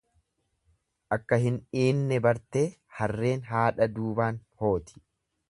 Akka hin dhiinne bartee harreen haadha duubaan hooti.